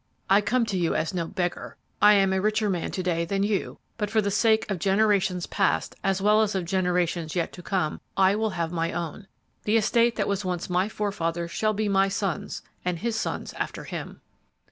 I come to you as no beggar! I am a richer man to day than you, but for the sake of generations past, as well as of generations yet to come, I will have my own. The estate which was once my forefathers shall be my son's, and his sons' after him!'